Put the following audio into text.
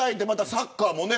サッカーもね。